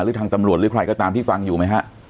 หรือทางตำรวจหรือใครก็ตามที่ฟังอยู่ไหมฮะ